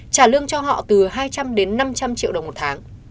trả lương cho họ từ hai trăm linh đến năm trăm linh triệu đồng một tháng